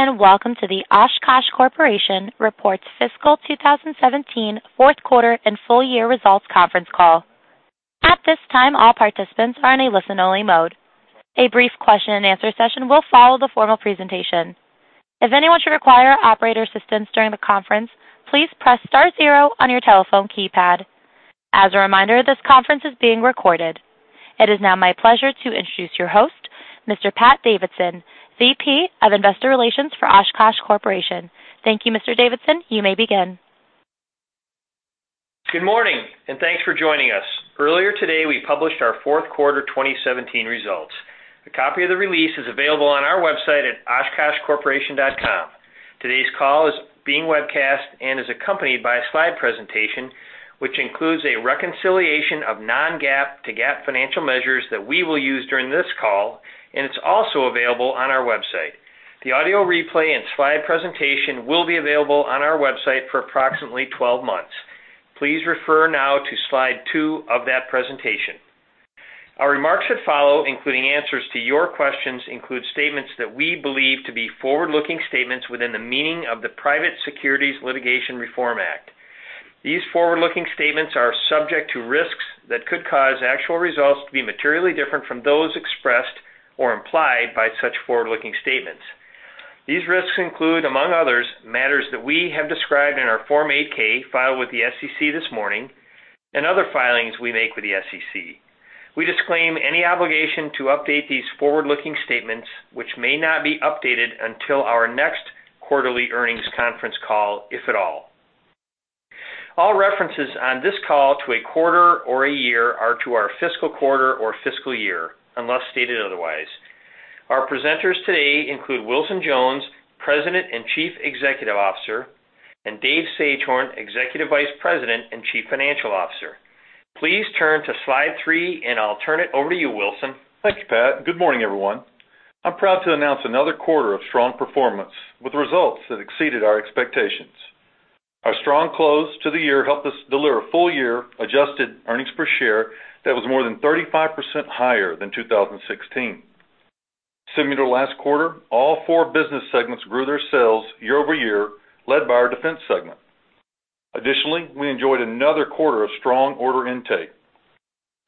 ...Greetings, and welcome to the Oshkosh Corporation reports fiscal 2017 fourth quarter and full year Results conference call. At this time, all participants are in a listen-only mode. A brief question-and-answer session will follow the formal presentation. If anyone should require operator assistance during the conference, please press star zero on your telephone keypad. As a reminder, this conference is being recorded. It is now my pleasure to introduce your host, Mr. Pat Davidson, VP of Investor Relations for Oshkosh Corporation. Thank you, Mr. Davidson. You may begin. Good morning, and thanks for joining us. Earlier today, we published our fourth quarter 2017 results. A copy of the release is available on our website at oshkoshcorporation.com. Today's call is being webcast and is accompanied by a slide presentation, which includes a reconciliation of non-GAAP to GAAP financial measures that we will use during this call, and it's also available on our website. The audio replay and slide presentation will be available on our website for approximately 12 months. Please refer now to slide two of that presentation. Our remarks that follow, including answers to your questions, include statements that we believe to be forward-looking statements within the meaning of the Private Securities Litigation Reform Act. These forward-looking statements are subject to risks that could cause actual results to be materially different from those expressed or implied by such forward-looking statements. These risks include, among others, matters that we have described in our Form 8-K filed with the SEC this morning and other filings we make with the SEC. We disclaim any obligation to update these forward-looking statements, which may not be updated until our next quarterly earnings conference call, if at all. All references on this call to a quarter or a year are to our fiscal quarter or fiscal year, unless stated otherwise. Our presenters today include Wilson Jones, President and Chief Executive Officer, and Dave Sagehorn, Executive Vice President and Chief Financial Officer. Please turn to slide three, and I'll turn it over to you, Wilson. Thank you, Pat. Good morning, everyone. I'm proud to announce another quarter of strong performance, with results that exceeded our expectations. Our strong close to the year helped us deliver a full year adjusted earnings per share that was more than 35% higher than 2016. Similar to last quarter, all four business segments grew their sales year-over-year, led by our Defense segment. Additionally, we enjoyed another quarter of strong order intake.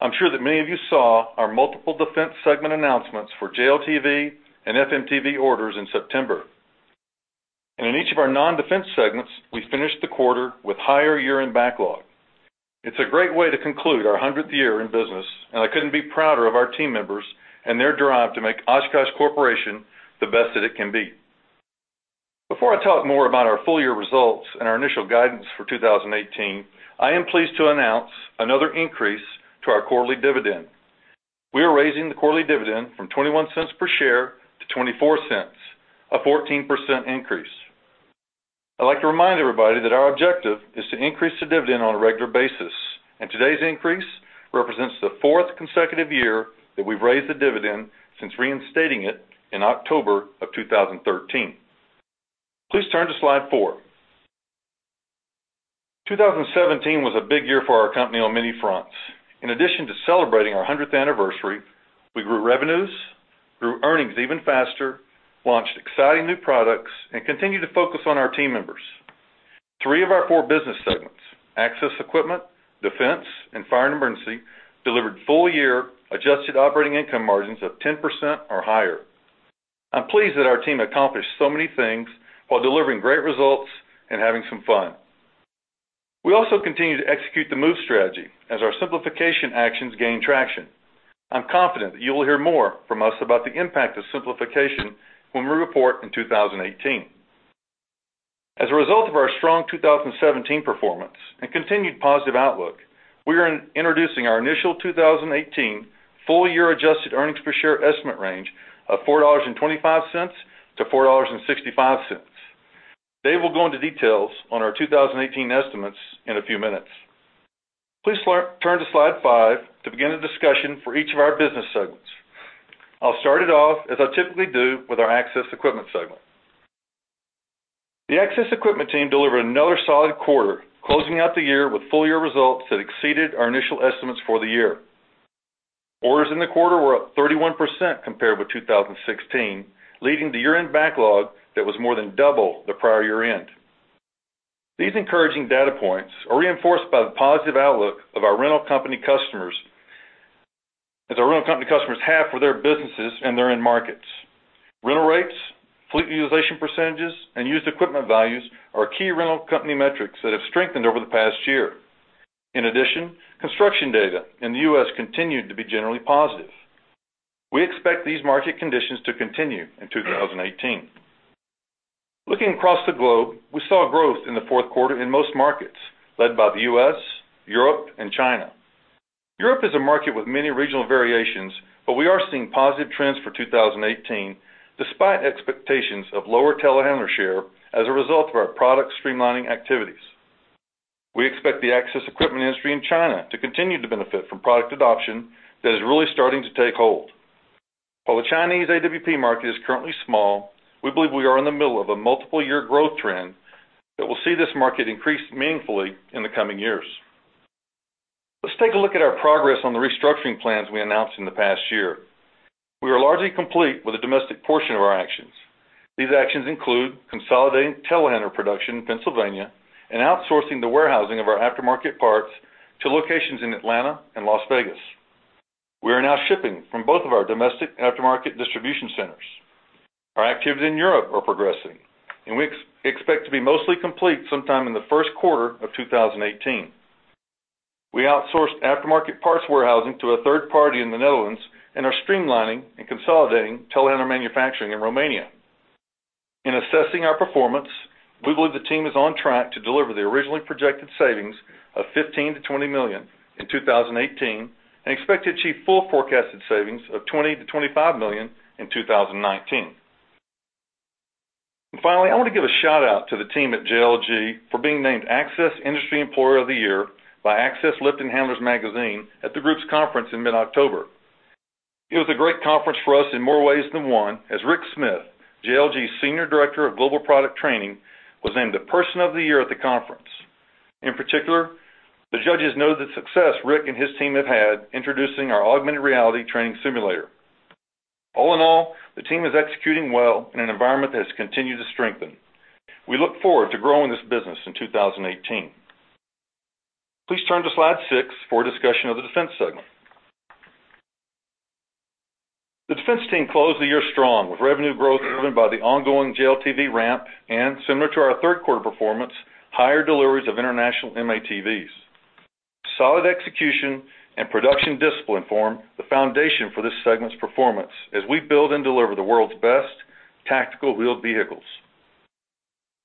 I'm sure that many of you saw our multiple Defense segment announcements for JLTV and FMTV orders in September. In each of our non-Defense segments, we finished the quarter with higher year-end backlog. It's a great way to conclude our 100th year in business, and I couldn't be prouder of our team members and their drive to make Oshkosh Corporation the best that it can be. Before I talk more about our full year results and our initial guidance for 2018, I am pleased to announce another increase to our quarterly dividend. We are raising the quarterly dividend from $0.21 per share to $0.24, a 14% increase. I'd like to remind everybody that our objective is to increase the dividend on a regular basis, and today's increase represents the fourth consecutive year that we've raised the dividend since reinstating it in October of 2013. Please turn to slide four. 2017 was a big year for our company on many fronts. In addition to celebrating our 100th anniversary, we grew revenues, grew earnings even faster, launched exciting new products, and continued to focus on our team members. Three of our four business segments, Access Equipment, Defense, and Fire & Emergency, delivered full-year adjusted operating income margins of 10% or higher. I'm pleased that our team accomplished so many things while delivering great results and having some fun. We also continued to execute the MOVE strategy as our simplification actions gain traction. I'm confident that you will hear more from us about the impact of simplification when we report in 2018. As a result of our strong 2017 performance and continued positive outlook, we are introducing our initial 2018 full-year adjusted earnings per share estimate range of $4.25-$4.65. Dave will go into details on our 2018 estimates in a few minutes. Please turn to slide five to begin a discussion for each of our business segments. I'll start it off, as I typically do, with our Access Equipment segment. The Access quipment team delivered another solid quarter, closing out the year with full year results that exceeded our initial estimates for the year. Orders in the quarter were up 31% compared with 2016, leading to year-end backlog that was more than double the prior year-end. These encouraging data points are reinforced by the positive outlook of our rental company customers, as our rental company customers have for their businesses and their end markets. Rental rates, fleet utilization percentages, and used equipment values are key rental company metrics that have strengthened over the past year. In addition, construction data in the U.S. continued to be generally positive. We expect these market conditions to continue in 2018. Looking across the globe, we saw growth in the fourth quarter in most markets, led by the U.S., Europe, and China. Europe is a market with many regional variations, but we are seeing positive trends for 2018, despite expectations of lower telehandler share as a result of our product streamlining activities. We expect the Access Equipment industry in China to continue to benefit from product adoption that is really starting to take hold. While the Chinese AWP market is currently small, we believe we are in the middle of a multiple year growth trend that will see this market increase meaningfully in the coming years....Let's take a look at our progress on the restructuring plans we announced in the past year. We are largely complete with the domestic portion of our actions. These actions include consolidating telehandler production in Pennsylvania and outsourcing the warehousing of our aftermarket parts to locations in Atlanta and Las Vegas. We are now shipping from both of our domestic aftermarket distribution centers. Our activities in Europe are progressing, and we expect to be mostly complete sometime in the first quarter of 2018. We outsourced aftermarket parts warehousing to a third party in the Netherlands, and are streamlining and consolidating telehandler manufacturing in Romania. In assessing our performance, we believe the team is on track to deliver the originally projected savings of $15 million-$20 million in 2018, and expect to achieve full forecasted savings of $20 million-$25 million in 2019. Finally, I want to give a shout-out to the team at JLG for being named Access Industry Employer of the Year by Access, Lift & Handlers Magazine at the group's conference in mid-October. It was a great conference for us in more ways than one, as Rick Smith, JLG's Senior Director of Global Product Training, was named the Person of the Year at the conference. In particular, the judges know the success Rick and his team have had introducing our augmented reality training simulator. All in all, the team is executing well in an environment that has continued to strengthen. We look forward to growing this business in 2018. Please turn to slide six for a discussion of the Defense segment. The Defense team closed the year strong, with revenue growth driven by the ongoing JLTV ramp, and similar to our third quarter performance, higher deliveries of international M-ATVs. Solid execution and production discipline form the foundation for this segment's performance as we build and deliver the world's best tactical wheeled vehicles.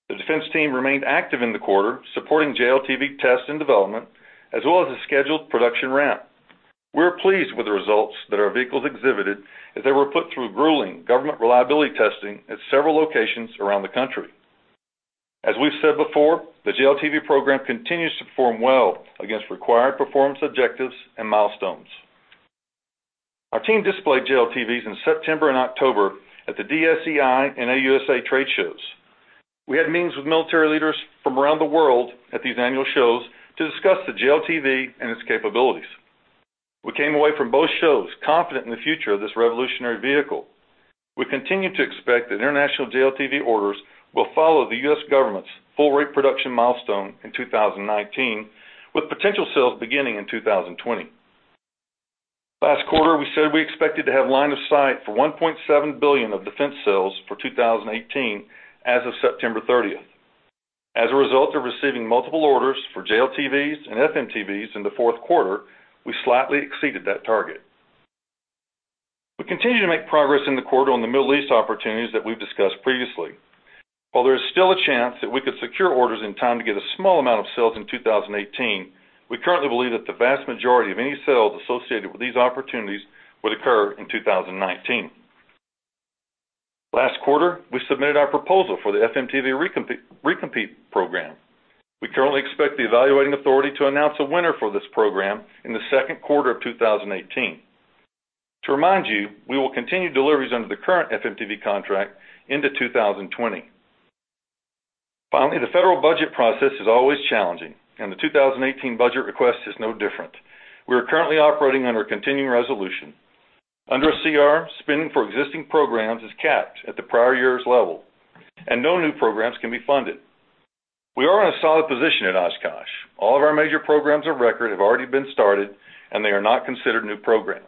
The Defense team remained active in the quarter, supporting JLTV test and development, as well as a scheduled production ramp. We're pleased with the results that our vehicles exhibited as they were put through grueling government reliability testing at several locations around the country. As we've said before, the JLTV program continues to perform well against required performance objectives and milestones. Our team displayed JLTVs in September and October at the DSEI and AUSA trade shows. We had meetings with military leaders from around the world at these annual shows to discuss the JLTV and its capabilities. We came away from both shows confident in the future of this revolutionary vehicle. We continue to expect that international JLTV orders will follow the U.S. government's full rate production milestone in 2019, with potential sales beginning in 2020. Last quarter, we said we expected to have line of sight for $1.7 billion of defense sales for 2018 as of September 30th. As a result of receiving multiple orders for JLTVs and FMTVs in the fourth quarter, we slightly exceeded that target. We continued to make progress in the quarter on the Middle East opportunities that we've discussed previously. While there is still a chance that we could secure orders in time to get a small amount of sales in 2018, we currently believe that the vast majority of any sales associated with these opportunities would occur in 2019. Last quarter, we submitted our proposal for the FMTV Recompete, Recompete Program. We currently expect the evaluating authority to announce a winner for this program in the second quarter of 2018. To remind you, we will continue deliveries under the current FMTV contract into 2020. Finally, the federal budget process is always challenging, and the 2018 budget request is no different. We are currently operating under a continuing resolution. Under CR, spending for existing programs is capped at the prior year's level, and no new programs can be funded. We are in a solid position at Oshkosh. All of our major programs of record have already been started, and they are not considered new programs.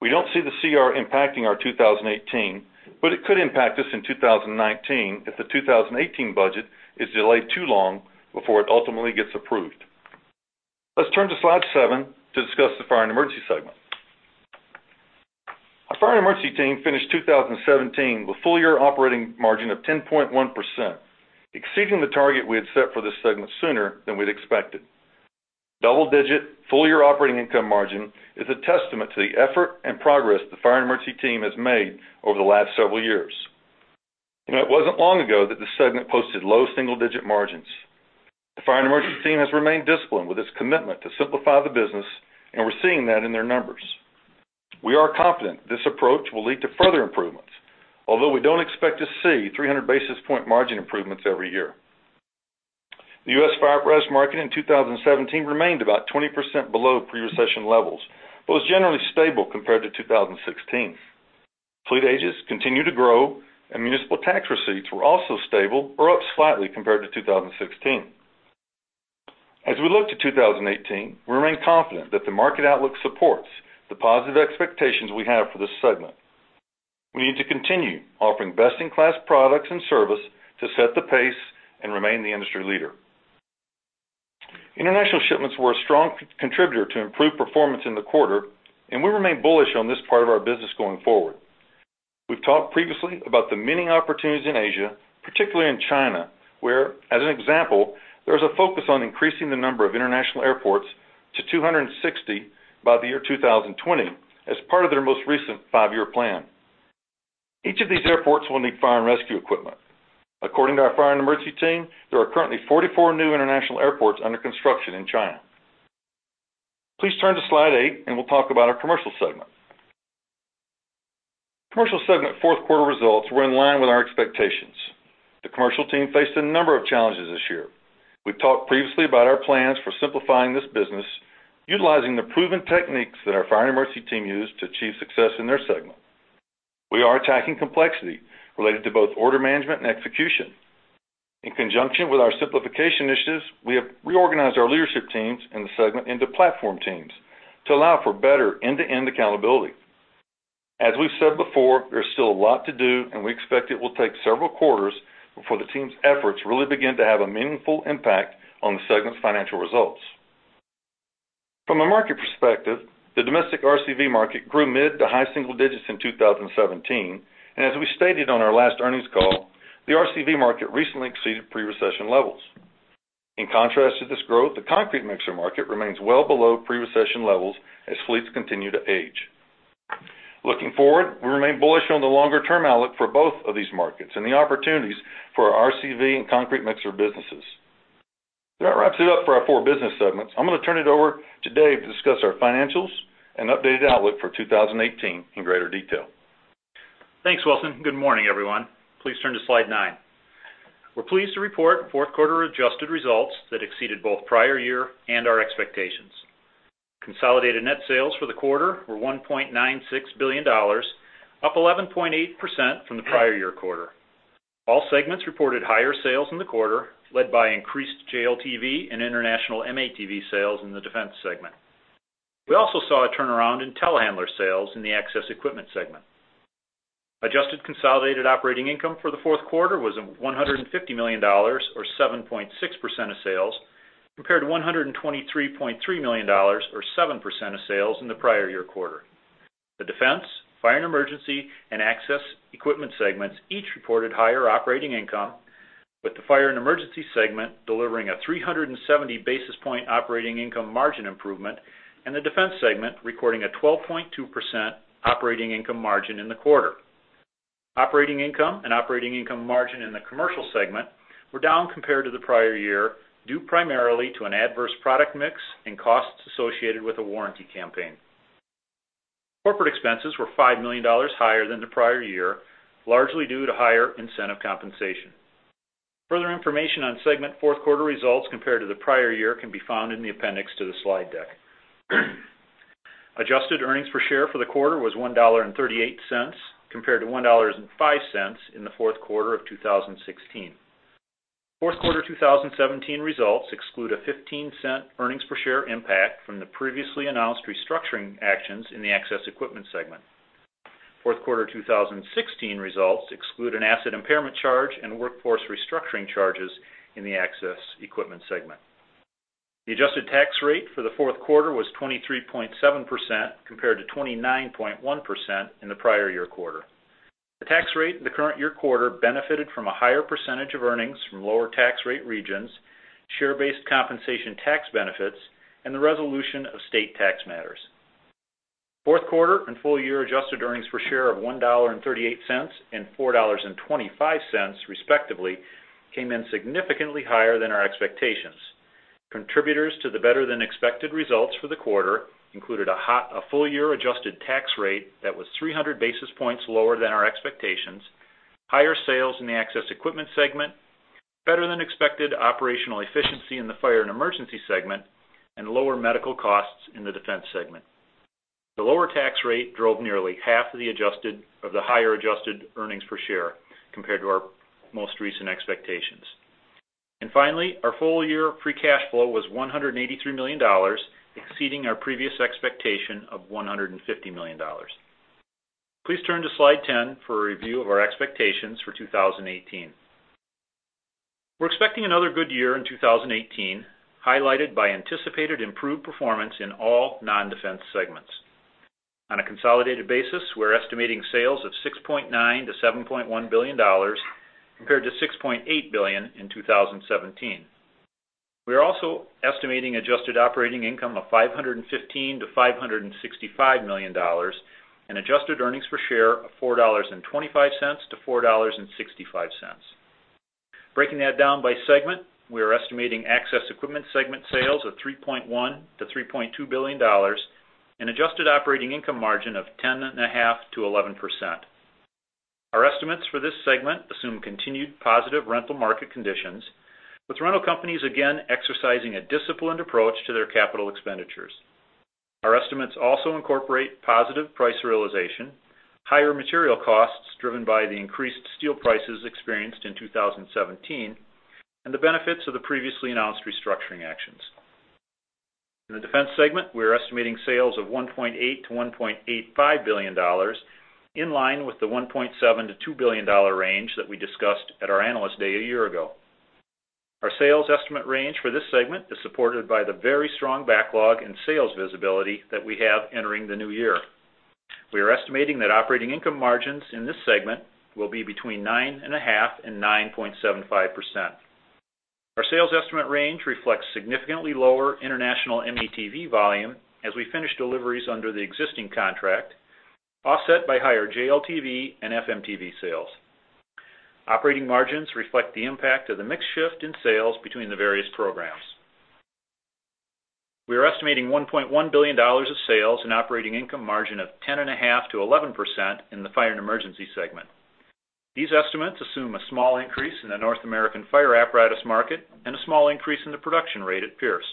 We don't see the CR impacting our 2018, but it could impact us in 2019 if the 2018 budget is delayed too long before it ultimately gets approved. Let's turn to slide seven to discuss the Fire & Emergency segment. Our Fire & Emergency team finished 2017 with full-year operating margin of 10.1%, exceeding the target we had set for this segment sooner than we'd expected. Double-digit, full-year operating income margin is a testament to the effort and progress the Fire & Emergency team has made over the last several years. You know, it wasn't long ago that this segment posted low single-digit margins. The Fire & Emergency team has remained disciplined with its commitment to simplify the business, and we're seeing that in their numbers. We are confident this approach will lead to further improvements, although we don't expect to see 300 basis point margin improvements every year. The U.S. fire apparatus market in 2017 remained about 20% below pre-recession levels, but was generally stable compared to 2016. Fleet ages continued to grow, and municipal tax receipts were also stable or up slightly compared to 2016. As we look to 2018, we remain confident that the market outlook supports the positive expectations we have for this segment. We need to continue offering best-in-class products and service to set the pace and remain the industry leader. International shipments were a strong contributor to improved performance in the quarter, and we remain bullish on this part of our business going forward. We've talked previously about the many opportunities in Asia, particularly in China, where, as an example, there is a focus on increasing the number of international airports to 260 by the year 2020 as part of their most recent five-year plan. Each of these airports will need fire and rescue equipment. According to our Fire & Emergency team, there are currently 44 new international airports under construction in China. Please turn to slide eight, and we'll talk about our Commercial segment. Commercial segment fourth quarter results were in line with our expectations. The Commercial team faced a number of challenges this year. We've talked previously about our plans for simplifying this business, utilizing the proven techniques that our Fire & Emergency team used to achieve success in their segment. We are attacking complexity related to both order management and execution. In conjunction with our simplification initiatives, we have reorganized our leadership teams in the segment into platform teams to allow for better end-to-end accountability. As we've said before, there's still a lot to do, and we expect it will take several quarters before the team's efforts really begin to have a meaningful impact on the segment's financial results. From a market perspective, the domestic RCV market grew mid- to high-single digits in 2017, and as we stated on our last earnings call, the RCV market recently exceeded pre-recession levels. In contrast to this growth, the concrete mixer market remains well below pre-recession levels as fleets continue to age. Looking forward, we remain bullish on the longer-term outlook for both of these markets and the opportunities for our RCV and concrete mixer businesses. That wraps it up for our four business segments. I'm going to turn it over to Dave to discuss our financials and updated outlook for 2018 in greater detail. Thanks, Wilson. Good morning, everyone. Please turn to Slide nine. We're pleased to report fourth quarter adjusted results that exceeded both prior year and our expectations. Consolidated net sales for the quarter were $1.96 billion, up 11.8% from the prior year quarter. All segments reported higher sales in the quarter, led by increased JLTV and international M-ATV sales in the Defense segment. We also saw a turnaround in telehandler sales in the Access Equipment segment. Adjusted consolidated operating income for the fourth quarter was $150 million, or 7.6% of sales, compared to $123.3 million, or 7% of sales, in the prior year quarter. The Defense, Fire & Emergency, and Access Equipment segments each reported higher operating income, with the Fire & Emergency segment delivering a 370 basis point operating income margin improvement and the Defense segment recording a 12.2% operating income margin in the quarter. Operating income and operating income margin in the Commercial segment were down compared to the prior year, due primarily to an adverse product mix and costs associated with a warranty campaign. Corporate expenses were $5 million higher than the prior year, largely due to higher incentive compensation. Further information on segment fourth quarter results compared to the prior year can be found in the appendix to the slide deck. Adjusted earnings per share for the quarter was $1.38, compared to $1.05 in the fourth quarter of 2016. Fourth quarter 2017 results exclude a $0.15 earnings per share impact from the previously announced restructuring actions in the Access Equipment segment. Fourth quarter 2016 results exclude an asset impairment charge and workforce restructuring charges in the Access Equipment segment. The adjusted tax rate for the fourth quarter was 23.7%, compared to 29.1% in the prior year quarter. The tax rate in the current year quarter benefited from a higher percentage of earnings from lower tax rate regions, share-based compensation tax benefits, and the resolution of state tax matters. Fourth quarter and full year adjusted earnings per share of $1.38 and $4.25, respectively, came in significantly higher than our expectations. Contributors to the better-than-expected results for the quarter included a full year adjusted tax rate that was 300 basis points lower than our expectations, higher sales in the Access Equipment segment, better-than-expected operational efficiency in the Fire & Emergency segment, and lower medical costs in the Defense segment. The lower tax rate drove nearly half of the higher adjusted earnings per share compared to our most recent expectations. Finally, our full-year free cash flow was $183 million, exceeding our previous expectation of $150 million. Please turn to slide 10 for a review of our expectations for 2018. We're expecting another good year in 2018, highlighted by anticipated improved performance in all non-Defense segments. On a consolidated basis, we're estimating sales of $6.9 billion-$7.1 billion, compared to $6.8 billion in 2017. We are also estimating adjusted operating income of $515 million-$565 million and adjusted earnings per share of $4.25-$4.65. Breaking that down by segment, we are estimating Access Equipment segment sales of $3.1 billion-$3.2 billion, an adjusted operating income margin of 10.5%-11%. Our estimates for this segment assume continued positive rental market conditions, with rental companies again exercising a disciplined approach to their capital expenditures. Our estimates also incorporate positive price realization, higher material costs driven by the increased steel prices experienced in 2017, and the benefits of the previously announced restructuring actions. In the Defense segment, we are estimating sales of $1.8 billion-$1.85 billion, in line with the $1.7 billion-$2 billion range that we discussed at our Analyst Day a year ago. Our sales estimate range for this segment is supported by the very strong backlog and sales visibility that we have entering the new year. We are estimating that operating income margins in this segment will be between 9.5% and 9.75%. Our sales estimate range reflects significantly lower international M-ATV volume as we finish deliveries under the existing contract, offset by higher JLTV and FMTV sales. Operating margins reflect the impact of the mix shift in sales between the various programs. We are estimating $1.1 billion of sales and operating income margin of 10.5%-11% in the Fire & Emergency segment. These estimates assume a small increase in the North American fire apparatus market and a small increase in the production rate at Pierce.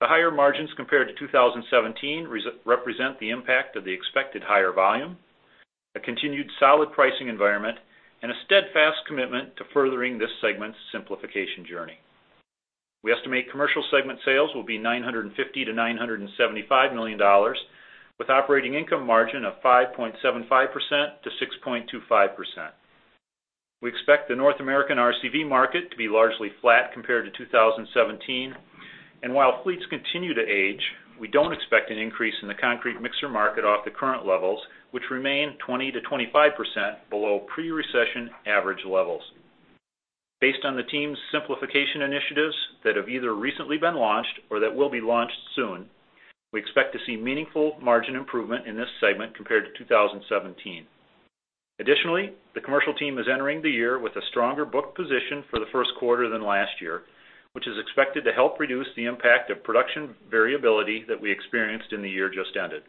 The higher margins compared to 2017 represent the impact of the expected higher volume, a continued solid pricing environment, and a steadfast commitment to furthering this segment's simplification journey. We estimate Commercial segment sales will be $950 million-$975 million, with operating income margin of 5.75%-6.25%. We expect the North American RCV market to be largely flat compared to 2017. While fleets continue to age, we don't expect an increase in the concrete mixer market off the current levels, which remain 20%-25% below pre-recession average levels. Based on the team's simplification initiatives that have either recently been launched or that will be launched soon, we expect to see meaningful margin improvement in this segment compared to 2017. Additionally, the Commercial team is entering the year with a stronger book position for the first quarter than last year, which is expected to help reduce the impact of production variability that we experienced in the year just ended.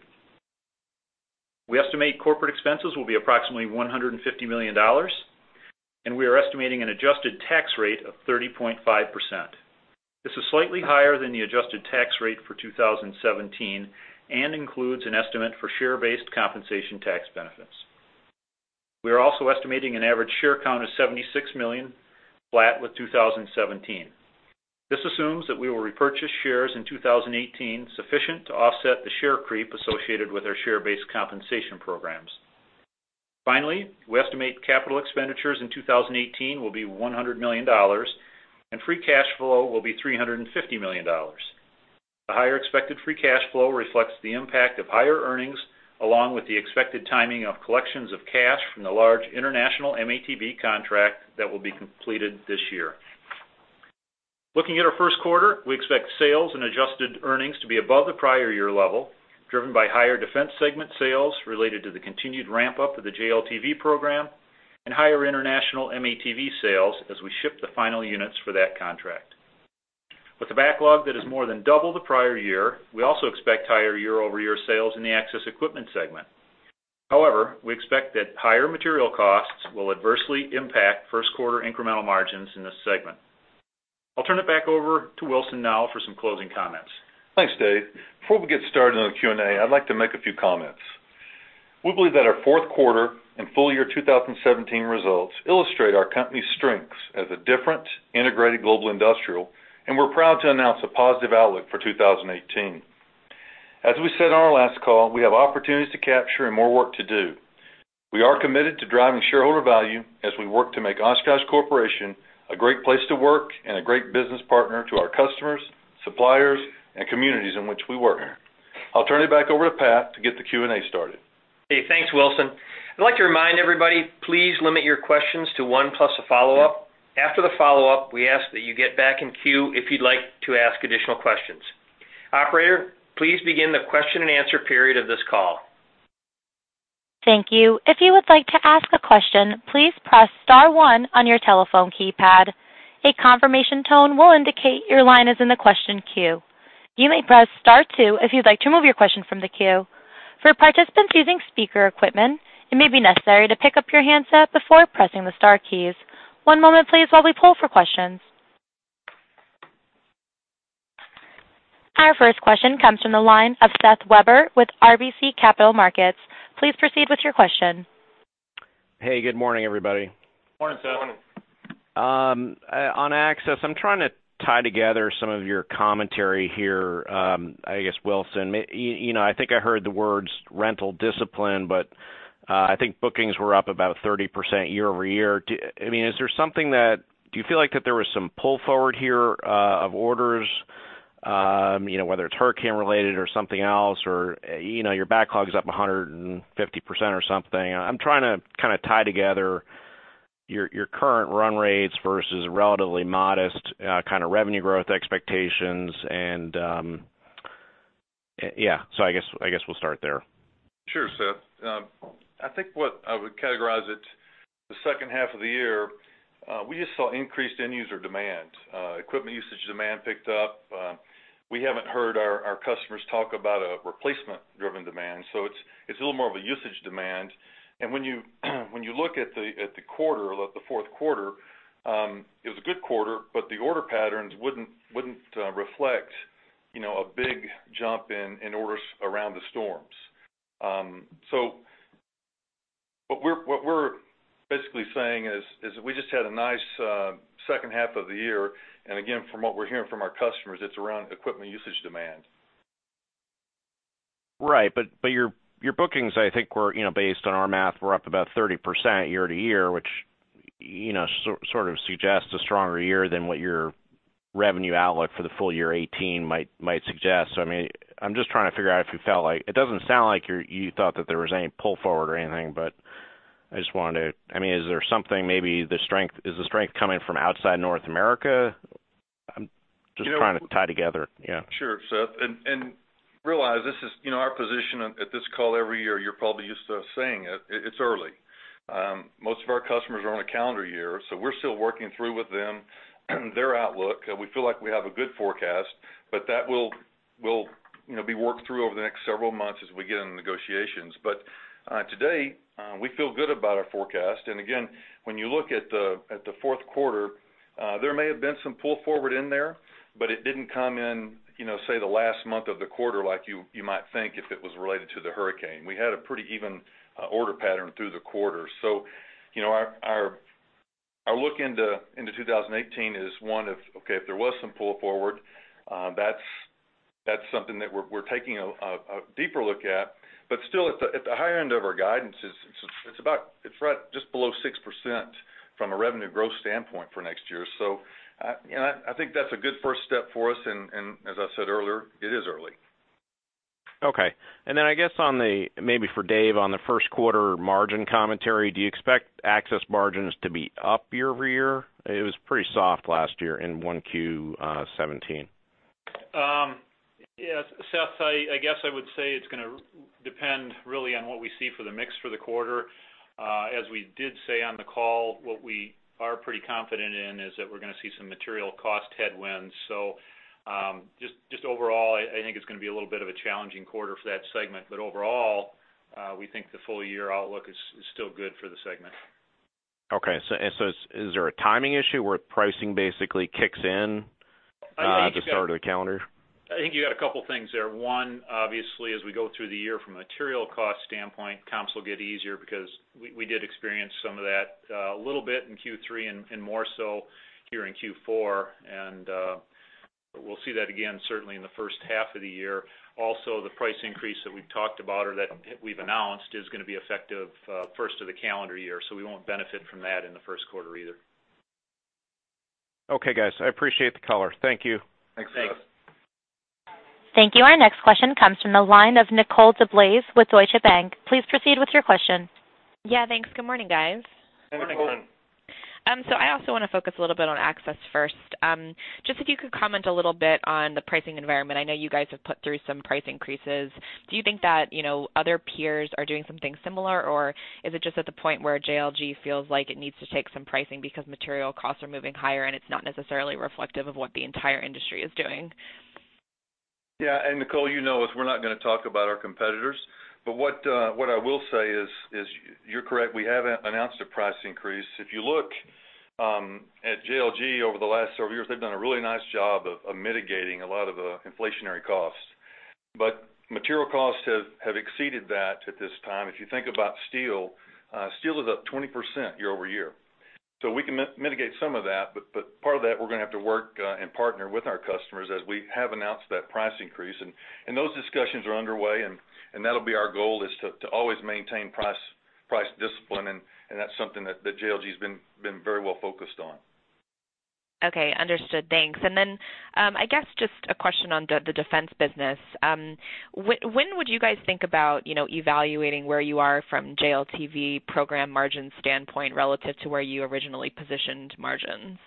We estimate corporate expenses will be approximately $150 million, and we are estimating an adjusted tax rate of 30.5%. This is slightly higher than the adjusted tax rate for 2017 and includes an estimate for share-based compensation tax benefits. We are also estimating an average share count of 76 million, flat with 2017. This assumes that we will repurchase shares in 2018, sufficient to offset the share creep associated with our share-based compensation programs. Finally, we estimate capital expenditures in 2018 will be $100 million, and free cash flow will be $350 million. The higher expected free cash flow reflects the impact of higher earnings, along with the expected timing of collections of cash from the large international M-ATV contract that will be completed this year. Looking at our first quarter, we expect sales and adjusted earnings to be above the prior year level, driven by higher Defense segment sales related to the continued ramp-up of the JLTV program and higher international M-ATV sales as we ship the final units for that contract. With a backlog that is more than double the prior year, we also expect higher year-over-year sales in the Access Equipment segment. However, we expect that higher material costs will adversely impact first quarter incremental margins in this segment. I'll turn it back over to Wilson now for some closing comments. Thanks, Dave. Before we get started on the Q&A, I'd like to make a few comments. We believe that our fourth quarter and full year 2017 results illustrate our company's strengths as a different, integrated global industrial, and we're proud to announce a positive outlook for 2018. As we said on our last call, we have opportunities to capture and more work to do. We are committed to driving shareholder value as we work to make Oshkosh Corporation a great place to work and a great business partner to our customers, suppliers, and communities in which we work. I'll turn it back over to Pat to get the Q&A started. Hey, thanks, Wilson. I'd like to remind everybody, please limit your questions to one plus a follow-up. After the follow-up, we ask that you get back in queue if you'd like to ask additional questions. Operator, please begin the question-and-answer period of this call. Thank you. If you would like to ask a question, please press star one on your telephone keypad. A confirmation tone will indicate your line is in the question queue. You may press star two if you'd like to remove your question from the queue. For participants using speaker equipment, it may be necessary to pick up your handset before pressing the star keys. One moment please, while we poll for questions. Our first question comes from the line of Seth Weber with RBC Capital Markets. Please proceed with your question. Hey, good morning, everybody. Morning, Seth. On Access, I'm trying to tie together some of your commentary here, I guess, Wilson. Maybe you know, I think I heard the words rental discipline, but I think bookings were up about 30% year-over-year. I mean, is there something that... Do you feel like that there was some pull forward here, of orders, you know, whether it's hurricane-related or something else, or, you know, your backlog is up 150% or something. I'm trying to kind of tie together your, your current run rates versus relatively modest, kind of revenue growth expectations and, yeah, so I guess, I guess we'll start there. Sure, Seth. I think what I would categorize it, the second half of the year, we just saw increased end user demand. Equipment usage demand picked up. We haven't heard our customers talk about a replacement-driven demand, so it's a little more of a usage demand. And when you look at the quarter, or the fourth quarter, it was a good quarter, but the order patterns wouldn't reflect, you know, a big jump in orders around the storms. So what we're basically saying is that we just had a nice second half of the year. And again, from what we're hearing from our customers, it's around equipment usage demand. Right. But your bookings, I think, were, you know, based on our math, up about 30% year-over-year, which, you know, sort of suggests a stronger year than what your revenue outlook for the full year 2018 might suggest. So I mean, I'm just trying to figure out if you felt like... It doesn't sound like you thought that there was any pull forward or anything, but I just wanted to... I mean, is there something maybe the strength is coming from outside North America? I'm just trying to tie together, yeah. Sure, Seth. And realize this is, you know, our position at this call every year. You're probably used to us saying it. It's early.... Most of our customers are on a calendar year, so we're still working through with them their outlook. We feel like we have a good forecast, but that will, you know, be worked through over the next several months as we get into negotiations. But today, we feel good about our forecast. And again, when you look at the fourth quarter, there may have been some pull forward in there, but it didn't come in, you know, say, the last month of the quarter, like you might think if it was related to the hurricane. We had a pretty even order pattern through the quarter. So, you know, our look into 2018 is, if there was some pull forward, that's something that we're taking a deeper look at. But still, at the higher end of our guidance, it's about, it's right just below 6% from a revenue growth standpoint for next year. So, and I think that's a good first step for us, and as I said earlier, it is early. Okay. And then I guess on the, maybe for Dave, on the first quarter margin commentary, do you expect access margins to be up year-over-year? It was pretty soft last year in 1Q, 17%. Yes, Seth, I guess I would say it's gonna depend really on what we see for the mix for the quarter. As we did say on the call, what we are pretty confident in is that we're gonna see some material cost headwinds. So, just overall, I think it's gonna be a little bit of a challenging quarter for that segment. But overall, we think the full year outlook is still good for the segment. Okay. So, and so is there a timing issue where pricing basically kicks in at the start of the calendar? I think you got a couple things there. One, obviously, as we go through the year from a material cost standpoint, comps will get easier because we did experience some of that a little bit in Q3 and more so here in Q4. And we'll see that again, certainly in the first half of the year. Also, the price increase that we've talked about or that we've announced is gonna be effective first of the calendar year, so we won't benefit from that in the first quarter either. Okay, guys. I appreciate the cover. Thank you. Thanks, Seth. Thanks. Thank you. Our next question comes from the line of Nicole DeBlase with Deutsche Bank. Please proceed with your question. Yeah, thanks. Good morning, guys. Good morning. Good morning. So I also wanna focus a little bit on Access first. Just if you could comment a little bit on the pricing environment. I know you guys have put through some price increases. Do you think that, you know, other peers are doing something similar, or is it just at the point where JLG feels like it needs to take some pricing because material costs are moving higher, and it's not necessarily reflective of what the entire industry is doing? Yeah, and Nicole, you know us, we're not gonna talk about our competitors. But what I will say is, you're correct, we have announced a price increase. If you look at JLG over the last several years, they've done a really nice job of mitigating a lot of the inflationary costs. But material costs have exceeded that at this time. If you think about steel, steel is up 20% year-over-year. So we can mitigate some of that, but part of that, we're gonna have to work and partner with our customers, as we have announced that price increase. And those discussions are underway, and that'll be our goal, is to always maintain price discipline, and that's something that JLG has been very well focused on. Okay, understood. Thanks. And then, I guess just a question on the Defense business. When would you guys think about, you know, evaluating where you are from JLTV program margin standpoint relative to where you originally positioned margins?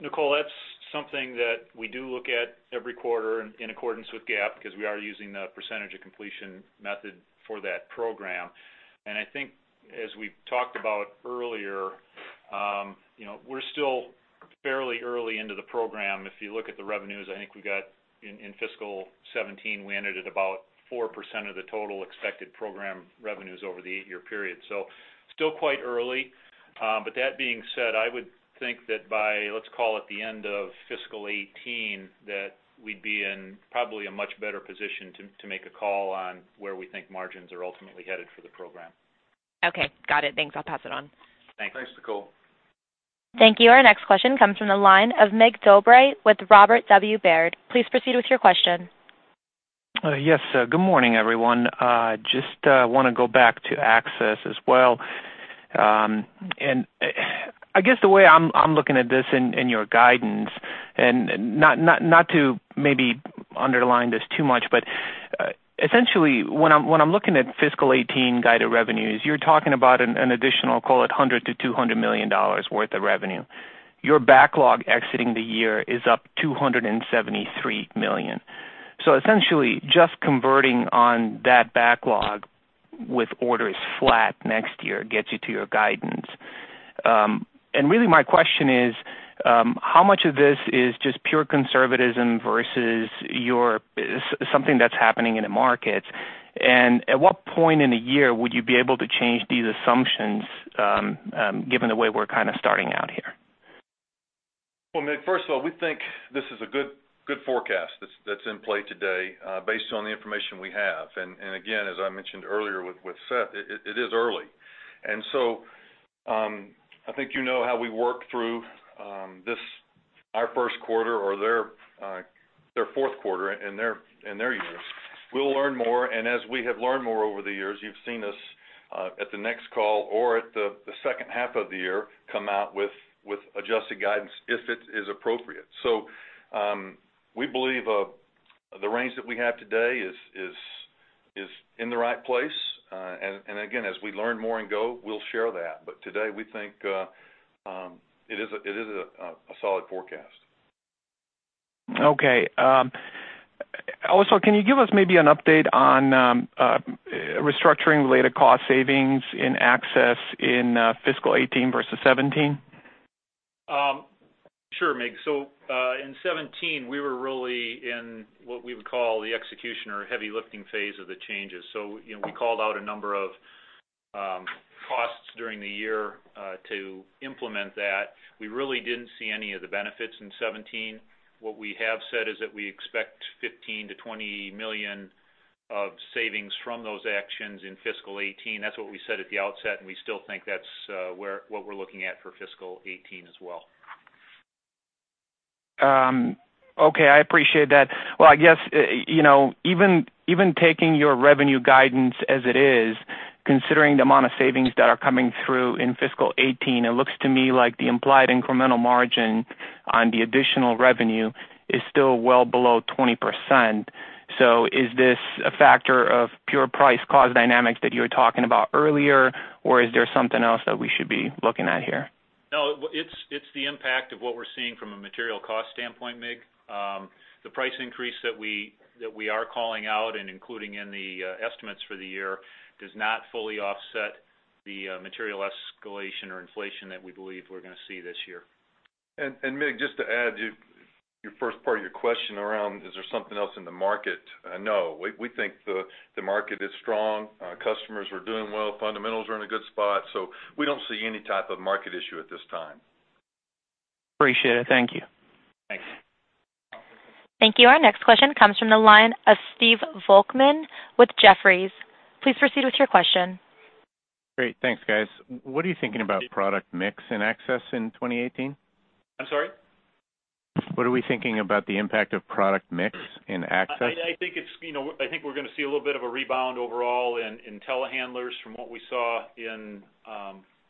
Nicole, that's something that we do look at every quarter in accordance with GAAP, because we are using the percentage of completion method for that program. I think as we've talked about earlier, you know, we're still fairly early into the program. If you look at the revenues, I think we got in fiscal 2017, we ended at about 4% of the total expected program revenues over the eight-year period. Still quite early. But that being said, I would think that by, let's call it the end of fiscal 2018, that we'd be in probably a much better position to make a call on where we think margins are ultimately headed for the program. Okay, got it. Thanks. I'll pass it on. Thanks. Thanks, Nicole. Thank you. Our next question comes from the line of Mig Dobre with Robert W. Baird. Please proceed with your question. Yes, good morning, everyone. Just wanna go back to Access as well. And I guess the way I'm looking at this in your guidance, and not to underline this too much, but essentially, when I'm looking at fiscal 2018 guided revenues, you're talking about an additional, call it $100-$200 million worth of revenue. Your backlog exiting the year is up $273 million. So essentially, just converting on that backlog with orders flat next year gets you to your guidance. And really, my question is, how much of this is just pure conservatism versus your something that's happening in the market? At what point in the year would you be able to change these assumptions, given the way we're kind of starting out here? Well, Mig, first of all, we think this is a good, good forecast that's, that's in play today, based on the information we have. And again, as I mentioned earlier with Seth, it is early. And so, I think you know how we work through this, our first quarter or their their fourth quarter in their years. We'll learn more, and as we have learned more over the years, you've seen us at the next call or at the second half of the year, come out with adjusted guidance, if it is appropriate. So, we believe the range that we have today is in the right place. And again, as we learn more and go, we'll share that. But today, we think it is a solid forecast.... Okay. Also, can you give us maybe an update on restructuring-related cost savings in Access in fiscal 2018 versus 2017? Sure, Mig. So, in 2017, we were really in what we would call the execution or heavy lifting phase of the changes. So, you know, we called out a number of costs during the year to implement that. We really didn't see any of the benefits in 2017. What we have said is that we expect $15-20 million of savings from those actions in fiscal 2018. That's what we said at the outset, and we still think that's where what we're looking at for fiscal 2018 as well. Okay, I appreciate that. Well, I guess, you know, even, even taking your revenue guidance as it is, considering the amount of savings that are coming through in fiscal 2018, it looks to me like the implied incremental margin on the additional revenue is still well below 20%. So is this a factor of pure price-cost dynamics that you were talking about earlier, or is there something else that we should be looking at here? No, it's the impact of what we're seeing from a material cost standpoint, Mig. The price increase that we are calling out and including in the estimates for the year does not fully offset the material escalation or inflation that we believe we're gonna see this year. Mig, just to add to your first part of your question around, is there something else in the market? No. We think the market is strong, our customers are doing well, fundamentals are in a good spot, so we don't see any type of market issue at this time. Appreciate it. Thank you. Thanks. Thank you. Our next question comes from the line of Steve Volkmann with Jefferies. Please proceed with your question. Great. Thanks, guys. What are you thinking about product mix in Access in 2018? I'm sorry? What are we thinking about the impact of product mix in Access? I think it's, you know, I think we're gonna see a little bit of a rebound overall in telehandlers from what we saw in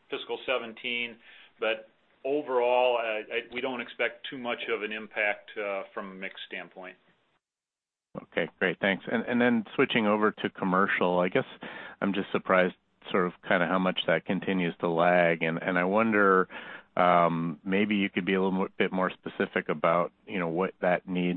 fiscal 2017. But overall, we don't expect too much of an impact from a mix standpoint. Okay, great. Thanks. And then switching over to Commercial, I guess I'm just surprised, sort of, kind of how much that continues to lag. And I wonder, maybe you could be a little more specific about, you know, what needs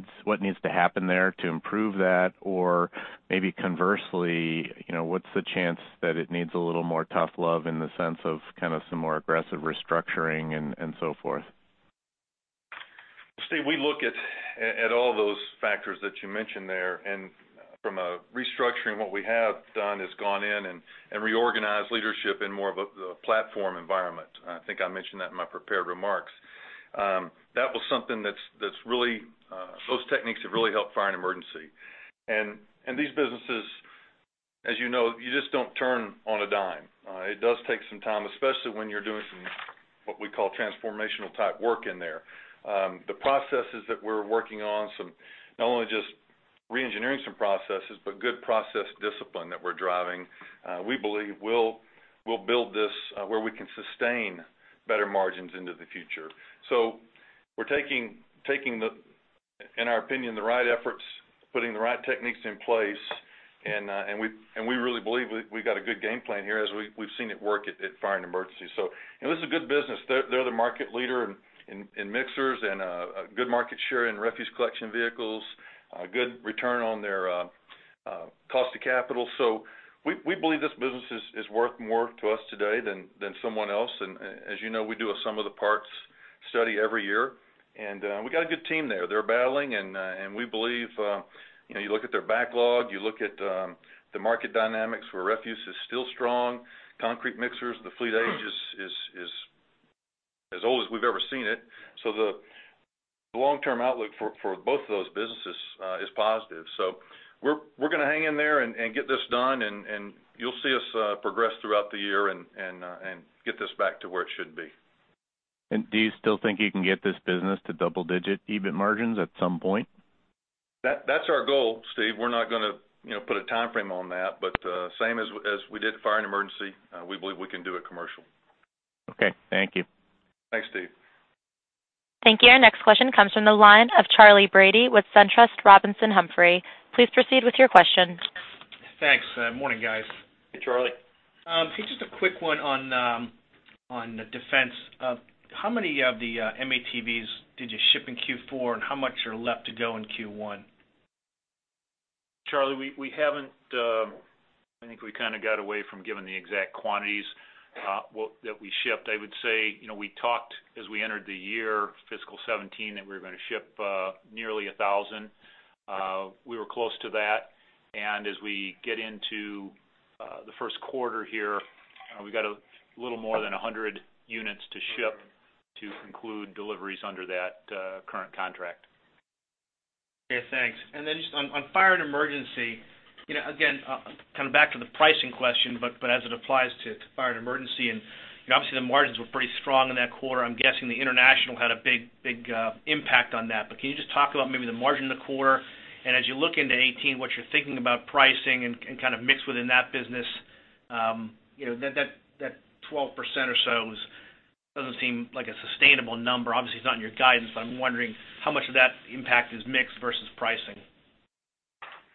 to happen there to improve that, or maybe conversely, you know, what's the chance that it needs a little more tough love in the sense of kind of some more aggressive restructuring and so forth? Steve, we look at all those factors that you mentioned there, and from a restructuring, what we have done is gone in and reorganized leadership in more of a the platform environment. I think I mentioned that in my prepared remarks. That was something that's really... Those techniques have really helped Fire & Emergency. And these businesses, as you know, you just don't turn on a dime. It does take some time, especially when you're doing some what we call transformational type work in there. The processes that we're working on, some not only just reengineering some processes, but good process discipline that we're driving, we believe we'll build this where we can sustain better margins into the future. So we're taking the, in our opinion, the right efforts, putting the right techniques in place, and we really believe we've got a good game plan here as we've seen it work at Fire & Emergency. So this is a good business. They're the market leader in mixers and a good market share in refuse collection vehicles, good return on their cost of capital. So we believe this business is worth more to us today than someone else. And as you know, we do a sum-of-the-parts study every year, and we got a good team there. They're battling, and we believe, you know, you look at their backlog, you look at the market dynamics, where refuse is still strong, concrete mixers, the fleet age is as old as we've ever seen it. So the long-term outlook for both of those businesses is positive. So we're gonna hang in there and get this done, and you'll see us progress throughout the year and get this back to where it should be. Do you still think you can get this business to double-digit EBIT margins at some point? That's our goal, Steve. We're not gonna, you know, put a timeframe on that, but same as we did Fire & Emergency, we believe we can do a Commercial. Okay, thank you. Thanks, Steve. Thank you. Our next question comes from the line of Charley Brady with SunTrust Robinson Humphrey. Please proceed with your question. Thanks. Morning, guys. Hey, Charley. Just a quick one on the Defense. How many of the M-ATVs did you ship in Q4, and how much are left to go in Q1? Charley, we haven't. I think we kind of got away from giving the exact quantities that we shipped. I would say, you know, we talked, as we entered the year, fiscal 2017, that we were gonna ship nearly 1,000. We were close to that, and as we get into the first quarter here, we've got a little more than 100 units to ship to conclude deliveries under that current contract. Okay, thanks. And then just on Fire & Emergency, you know, again, kind of back to the pricing question, but as it applies to Fire & Emergency, and obviously, the margins were pretty strong in that quarter. I'm guessing the international had a big impact on that. But can you just talk about maybe the margin in the quarter, and as you look into 2018, what you're thinking about pricing and kind of mix within that business? You know, that 12% or so was, doesn't seem like a sustainable number. Obviously, it's not in your guidance, but I'm wondering how much of that impact is mix versus pricing?...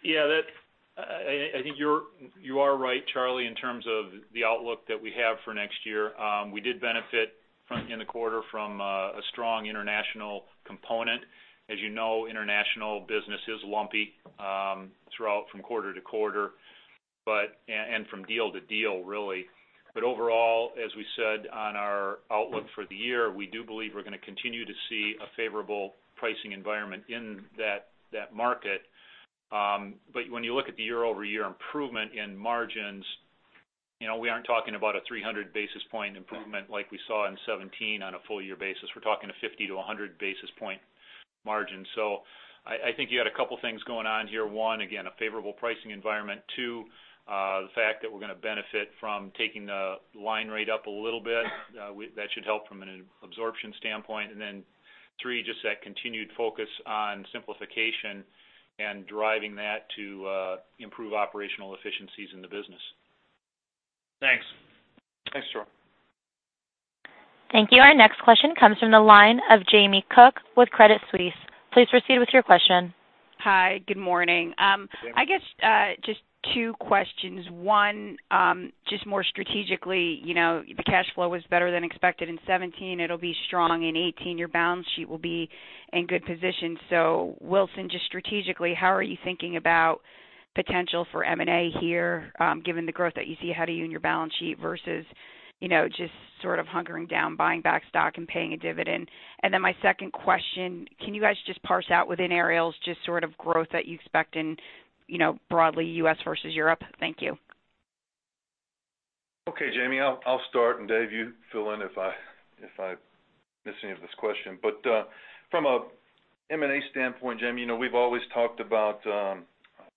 Yeah, that's, I think you're right, Charley, in terms of the outlook that we have for next year. We did benefit from, in the quarter, from a strong international component. As you know, international business is lumpy throughout from quarter to quarter, and from deal to deal, really. But overall, as we said on our outlook for the year, we do believe we're gonna continue to see a favorable pricing environment in that market. But when you look at the year-over-year improvement in margins, you know, we aren't talking about a 300 basis point improvement like we saw in 2017 on a full year basis. We're talking a 50 to 100 basis point margin. So I think you had a couple things going on here. One, again, a favorable pricing environment. Two, the fact that we're gonna benefit from taking the line rate up a little bit, that should help from an absorption standpoint. And then three, just that continued focus on simplification and driving that to improve operational efficiencies in the business. Thanks. Thanks, Charley. Thank you. Our next question comes from the line of Jamie Cook with Credit Suisse. Please proceed with your question. Hi, good morning. Hi. I guess, just two questions. One, just more strategically, you know, the cash flow was better than expected in 2017, it'll be strong in 2018, your balance sheet will be in good position. So Wilson, just strategically, how are you thinking about potential for M&A here, given the growth that you see ahead of you in your balance sheet versus, you know, just sort of hunkering down, buying back stock and paying a dividend? And then my second question, can you guys just parse out within Aerials, just sort of growth that you expect in, you know, broadly, U.S. versus Europe? Thank you. Okay, Jamie, I'll start, and Dave, you fill in if I miss any of this question. But, from a M&A standpoint, Jamie, you know, we've always talked about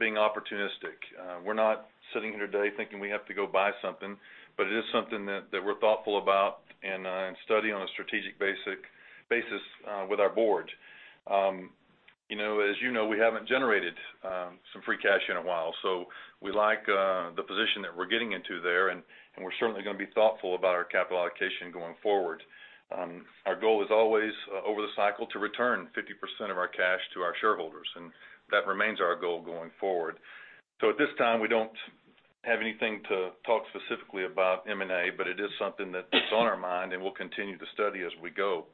being opportunistic. We're not sitting here today thinking we have to go buy something, but it is something that we're thoughtful about and study on a strategic basis with our board. You know, as you know, we haven't generated some free cash in a while, so we like the position that we're getting into there, and we're certainly gonna be thoughtful about our capital allocation going forward. Our goal is always, over the cycle, to return 50% of our cash to our shareholders, and that remains our goal going forward. At this time, we don't have anything to talk specifically about M&A, but it is something that is on our mind, and we'll continue to study as we go.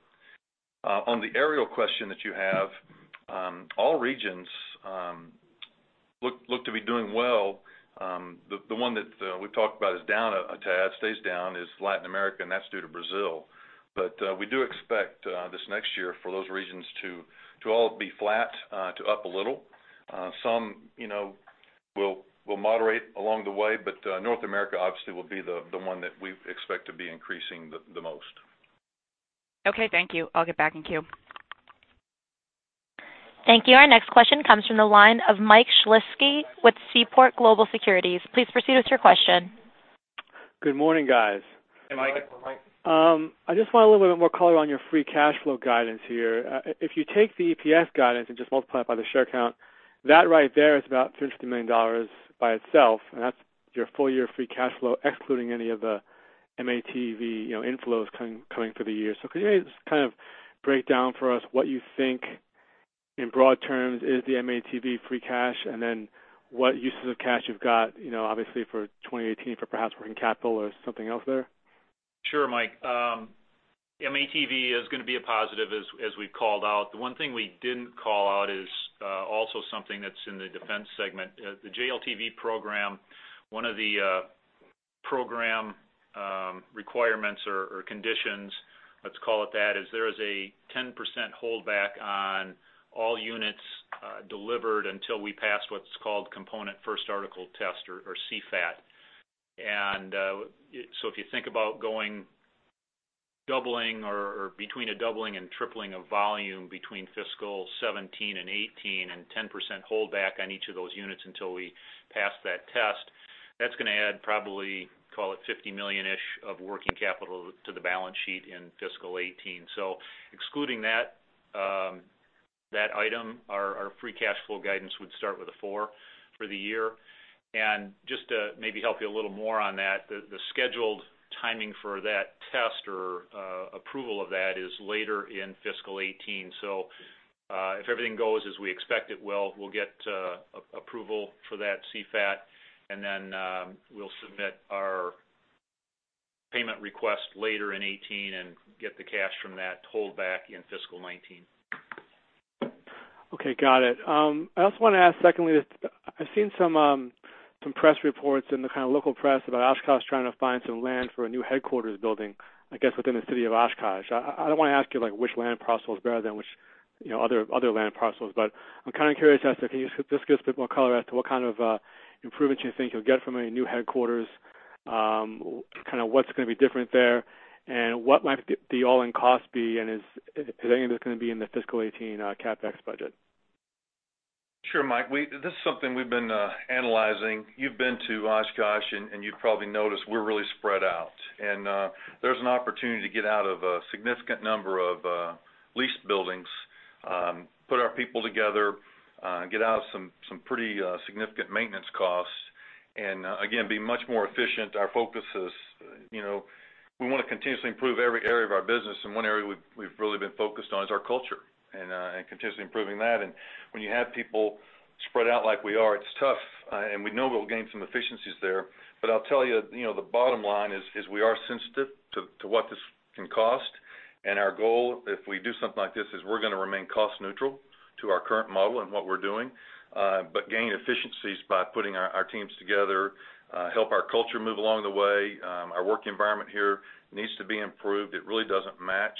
On the aerial question that you have, all regions look to be doing well. The one that we've talked about is down a tad, stays down, is Latin America, and that's due to Brazil. But we do expect this next year for those regions to all be flat to up a little. Some, you know, will moderate along the way, but North America, obviously, will be the one that we expect to be increasing the most. Okay, thank you. I'll get back in queue. Thank you. Our next question comes from the line of Mike Shlisky with Seaport Global Securities. Please proceed with your question. Good morning, guys. Hey, Mike. Good morning. I just want a little bit more color on your free cash flow guidance here. If you take the EPS guidance and just multiply it by the share count, that right there is about $300 million by itself, and that's your full year free cash flow, excluding any of the M-ATV, you know, inflows coming for the year. So could you just kind of break down for us what you think, in broad terms, is the M-ATV free cash, and then what uses of cash you've got, you know, obviously for 2018, for perhaps working capital or something else there? Sure, Mike. M-ATV is gonna be a positive, as we called out. The one thing we didn't call out is also something that's in the Defense segment. The JLTV program, one of the program requirements or conditions, let's call it that, is there is a 10% holdback on all units delivered until we pass what's called Component First Article Test or CFAT. And it—so if you think about going doubling or between a doubling and tripling of volume between fiscal 2017 and 2018, and 10% holdback on each of those units until we pass that test, that's gonna add probably, call it $50 million-ish of working capital to the balance sheet in fiscal 2018. So excluding that, that item, our free cash flow guidance would start with a four for the year. And just to maybe help you a little more on that, the scheduled timing for that test or approval of that is later in fiscal 2018. So, if everything goes as we expect it will, we'll get approval for that CFAT, and then, we'll submit our payment request later in 2018 and get the cash from that holdback in fiscal 2019. Okay, got it. I also want to ask, secondly, I've seen some, some press reports in the kind of local press about Oshkosh trying to find some land for a new headquarters building, I guess, within the city of Oshkosh. I, I don't want to ask you, like, which land parcel is better than which, you know, other, other land parcels, but I'm kind of curious as to can you just give us a bit more color as to what kind of, improvements you think you'll get from a new headquarters, kind of what's gonna be different there? And what might the all-in cost be, and is any of it gonna be in the fiscal 2018 CapEx budget? Sure, Mike. This is something we've been analyzing. You've been to Oshkosh, and you've probably noticed we're really spread out. There's an opportunity to get out of a significant number of leased buildings, put our people together, get out of some pretty significant maintenance costs... and again, be much more efficient. Our focus is, you know, we wanna continuously improve every area of our business, and one area we've really been focused on is our culture, and continuously improving that. When you have people spread out like we are, it's tough, and we know we'll gain some efficiencies there. But I'll tell you, you know, the bottom line is we are sensitive to what this can cost. Our goal, if we do something like this, is we're gonna remain cost neutral to our current model and what we're doing, but gain efficiencies by putting our teams together, help our culture move along the way. Our work environment here needs to be improved. It really doesn't match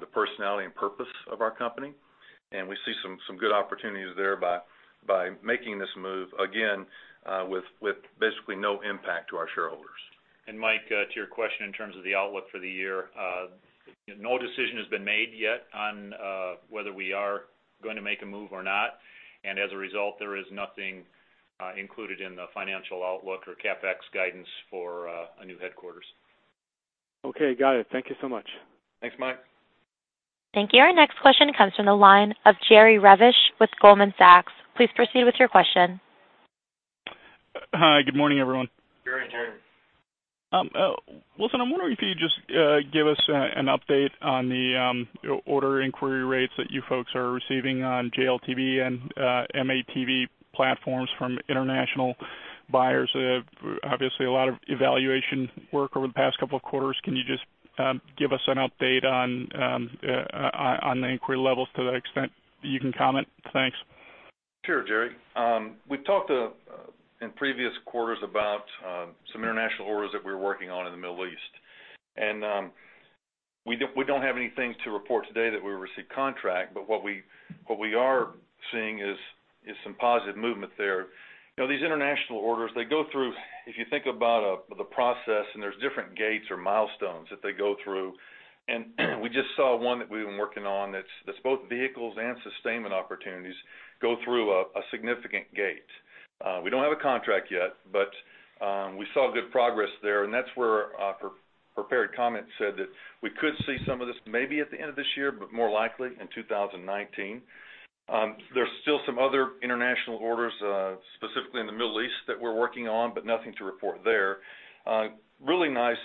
the personality and purpose of our company, and we see some good opportunities there by making this move, again, with basically no impact to our shareholders. Mike, to your question, in terms of the outlook for the year, no decision has been made yet on whether we are going to make a move or not, and as a result, there is nothing included in the financial outlook or CapEx guidance for a new headquarters. Okay, got it. Thank you so much. Thanks, Mike. Thank you. Our next question comes from the line of Jerry Revich with Goldman Sachs. Please proceed with your question. Hi, good morning, everyone. Good morning, Jerry. Wilson, I'm wondering if you could just give us an update on the order inquiry rates that you folks are receiving on JLTV and M-ATV platforms from international buyers. Obviously, a lot of evaluation work over the past couple of quarters. Can you just give us an update on the inquiry levels to the extent that you can comment? Thanks. Sure, Jerry. We've talked in previous quarters about some international orders that we're working on in the Middle East. And we don't, we don't have anything to report today that we received contract, but what we, what we are seeing is some positive movement there. You know, these international orders, they go through, if you think about the process, and there's different gates or milestones that they go through. And we just saw one that we've been working on that's, that's both vehicles and sustainment opportunities, go through a, a significant gate. We don't have a contract yet, but we saw good progress there, and that's where our prepared comments said that we could see some of this maybe at the end of this year, but more likely in 2019. There's still some other international orders, specifically in the Middle East, that we're working on, but nothing to report there. Really nice,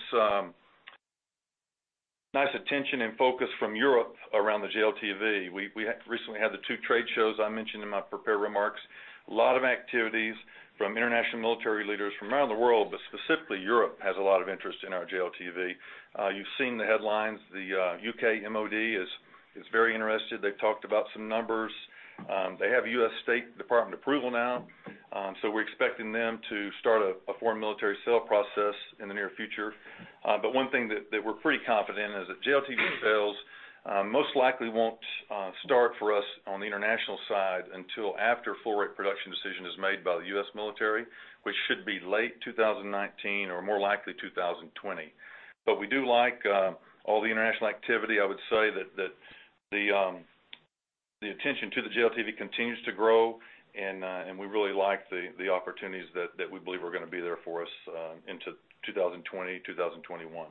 nice attention and focus from Europe around the JLTV. We recently had the two trade shows I mentioned in my prepared remarks. A lot of activities from international military leaders from around the world, but specifically, Europe has a lot of interest in our JLTV. You've seen the headlines. The U.K. MOD is very interested. They've talked about some numbers. They have U.S. State Department approval now, so we're expecting them to start a foreign military sale process in the near future. But one thing that we're pretty confident in is that JLTV sales most likely won't start for us on the international side until after Full Rate Production decision is made by the U.S. military, which should be late 2019 or more likely, 2020. But we do like all the international activity. I would say that the attention to the JLTV continues to grow, and we really like the opportunities that we believe are gonna be there for us into 2020, 2021.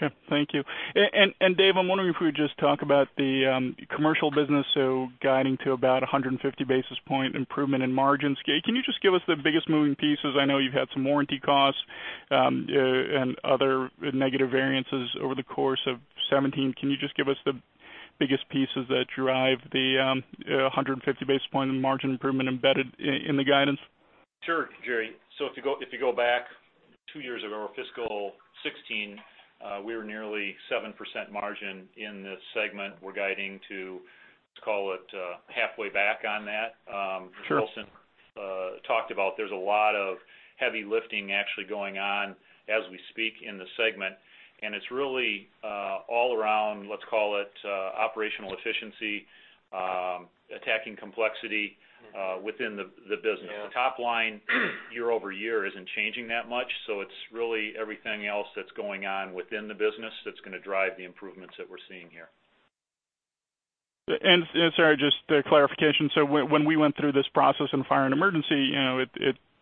Okay. Thank you. And, Dave, I'm wondering if we could just talk about the Commercial business, so guiding to about 150 basis point improvement in margins. Can you just give us the biggest moving pieces? I know you've had some warranty costs and other negative variances over the course of 2017. Can you just give us the biggest pieces that drive the 150 basis point in margin improvement embedded in the guidance? Sure, Jerry. So if you go, if you go back two years ago, or fiscal 2016, we were nearly 7% margin in this segment. We're guiding to, let's call it, halfway back on that. Sure. Wilson talked about there's a lot of heavy lifting actually going on as we speak in the segment, and it's really all around, let's call it, operational efficiency, attacking complexity within the business. Yeah. The top line year over year isn't changing that much, so it's really everything else that's going on within the business that's gonna drive the improvements that we're seeing here. Sorry, just a clarification. So when we went through this process in Fire & Emergency, you know,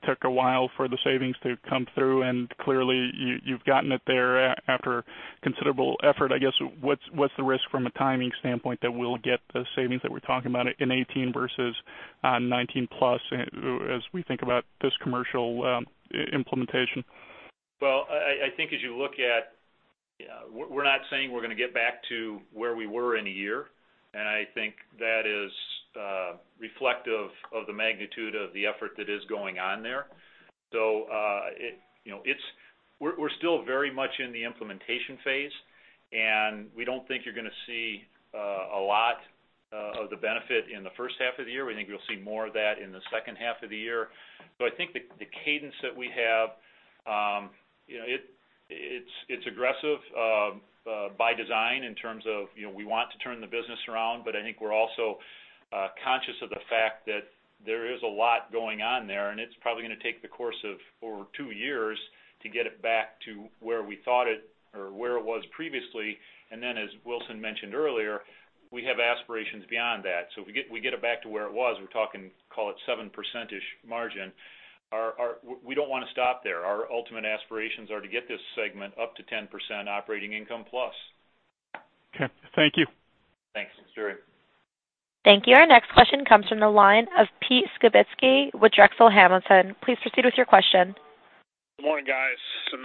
it took a while for the savings to come through, and clearly, you've gotten it there after considerable effort. I guess, what's the risk from a timing standpoint that we'll get the savings that we're talking about in 2018 versus 2019 plus as we think about this Commercial implementation? Well, I think as you look at... We're not saying we're gonna get back to where we were in a year, and I think that is reflective of the magnitude of the effort that is going on there. So, you know, it's. We're still very much in the implementation phase, and we don't think you're gonna see a lot of the benefit in the first half of the year. We think you'll see more of that in the second half of the year. So I think the cadence that we have, you know, it's aggressive by design, in terms of, you know, we want to turn the business around, but I think we're also conscious of the fact that there is a lot going on there, and it's probably gonna take the course of over two years to get it back to where we thought it or where it was previously. And then, as Wilson mentioned earlier, we have aspirations beyond that. So if we get it back to where it was, we're talking, call it 7% margin. Our, our, we don't wanna stop there. Our ultimate aspirations are to get this segment up to 10% operating income plus.... Okay, thank you. Thanks, Jerry. Thank you. Our next question comes from the line of Pete Skibitski with Drexel Hamilton. Please proceed with your question. Good morning, guys. Hey,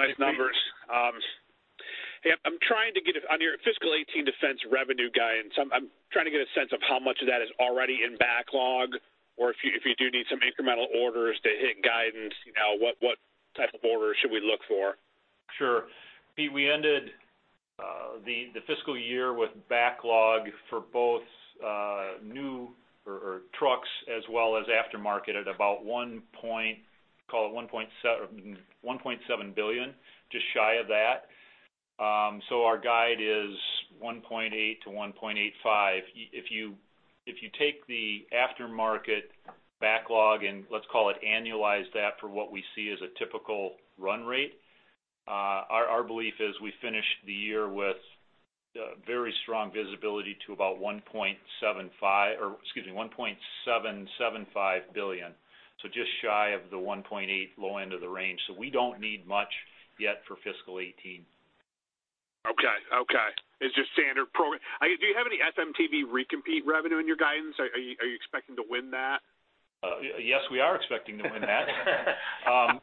I'm trying to get a sense of how much of that is already in backlog, or if you do need some incremental orders to hit guidance, you know, what type of orders should we look for? Sure. Pete, we ended the fiscal year with backlog for both new orders or trucks as well as aftermarket, at about one point, call it $1.7 billion, just shy of that. So our guide is $1.8 billion-$1.85 billion. If you take the aftermarket backlog, and let's call it annualize that for what we see as a typical run rate, our belief is we finish the year with very strong visibility to about $1.75 billion, or excuse me, $1.775 billion, so just shy of the $1.8 billion low end of the range. So we don't need much yet for fiscal 2018. Okay. Okay. It's just standard program. Do you have any FMTV recompete revenue in your guidance? Are you, are you expecting to win that? Yes, we are expecting to win that.